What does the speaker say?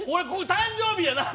誕生日や！